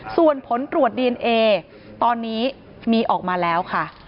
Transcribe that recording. ส่วนผลตรวจดีเอนเอตอนนี้มีออกมาแล้วค่ะ